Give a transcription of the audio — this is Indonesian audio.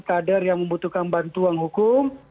kader yang membutuhkan bantuan hukum